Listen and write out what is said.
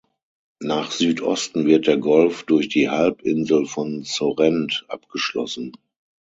Nach Südosten wird der Golf durch die Halbinsel von Sorrent abgeschlossen.